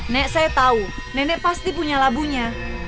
nek saya tau nenek pasti punya labunya